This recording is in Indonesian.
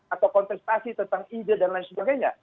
atau kontestasi tentang ide dan lain sebagainya